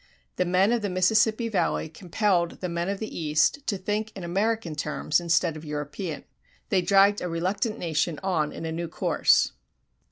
The men of the Mississippi Valley compelled the men of the East to think in American terms instead of European. They dragged a reluctant nation on in a new course.